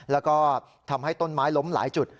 แล้วก็ทำให้ต้นไม้ล้มหลายจุด